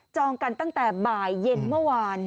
กันตั้งแต่บ่ายเย็นเมื่อวาน